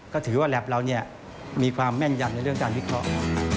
ก็ถือว่าแล็บเรามีความแม่นยันในเรื่องการวิเคราะห์